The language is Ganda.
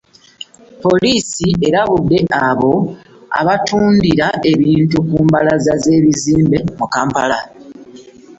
Poliisi erabudde abo abatundira ebintu ku mbalaza z'ebizimbe mu Kampala.